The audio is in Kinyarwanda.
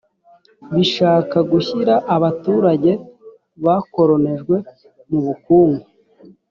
bishaka gushyira abaturage bakoronijwe mu bukungu